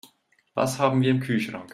Was haben wir im Kühlschrank?